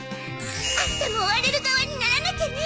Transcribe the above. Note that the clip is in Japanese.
アンタも追われる側にならなきゃね。